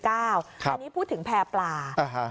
อันนี้พูดถึงแพร่ปลา